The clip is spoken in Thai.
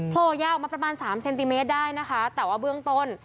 โผล่ยาวออกมาประมาณสามเซนติเมตรได้นะคะแต่ว่าเบื้องต้น